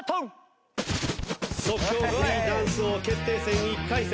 即興フリーダンス王決定戦１回戦。